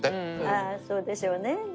ああそうでしょうね。